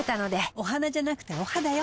お花じゃなくてお肌よ。